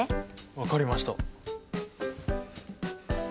分かりました。